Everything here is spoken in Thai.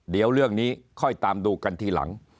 เดี๋ยวเรื่องนี้ค่อยตามดูกันทีหลัง